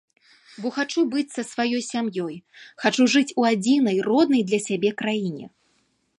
Бо хачу быць са сваёй сям'ёй, хачу жыць у адзінай роднай для сябе краіне.